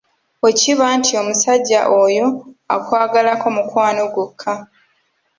Bwe kiba nti omusajja oyo akwagalako "mukwano" gwokka,